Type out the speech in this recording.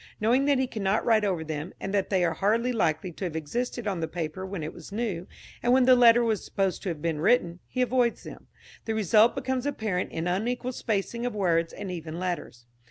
Knowing that he cannot write over them, and that they are hardly likely to have existed on the paper when it was new, and when the letter was supposed to be written, he avoids them. The result becomes apparent in unequal spacing of words and even letters.